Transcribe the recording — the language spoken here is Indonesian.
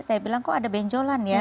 saya bilang kok ada benjolan ya